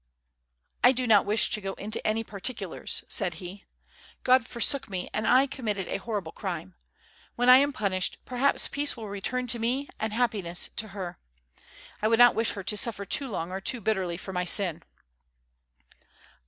"I do not wish to go into any particulars," said he. "God forsook me and I committed a horrible crime. When I am punished, perhaps peace will return to me and happiness to her. I would not wish her to suffer too long or too bitterly for my sin."